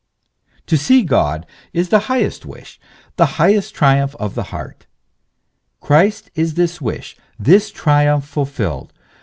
* To see God is the highest wish, the highest triumph of the heart. Christ is this wish, this triumph, fulfilled.